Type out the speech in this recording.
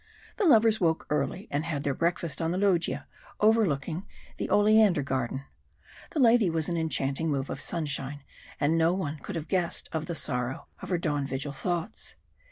The lovers woke early, and had their breakfast on the loggia overlooking the oleander garden. The lady was in an enchanting mood of sunshine, and no one could have guessed of the sorrow of her dawn vigil thoughts.